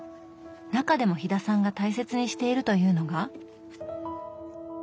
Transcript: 中でも飛田さんが大切にしているというのが。